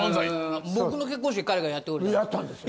僕の結婚式彼がやってくれたやったんですよ